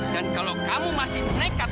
dan kalau kamu masih nekat